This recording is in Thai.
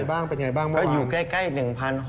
อ่าเป็นอย่างไรบ้างบ้าง